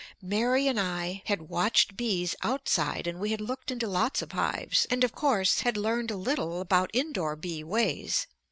Mary and I had watched bees outside and we had looked into lots of hives and, of course, had learned a little about indoor bee ways.